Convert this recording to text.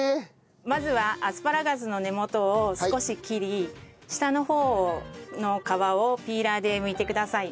まずはアスパラガスの根元を少し切り下の方の皮をピーラーでむいてください。